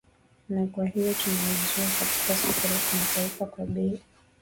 na kwa hiyo tunaiuza katika soko la kimataifa kwa bei